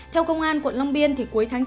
theo công an quận long biên cuối tháng chín